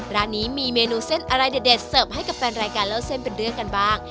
ร้านนี้มีเมนูเส้นอะไรเด็ดเสิร์ฟให้กับแฟนรายการเล่าเส้นเป็นเรื่องกันบ้าง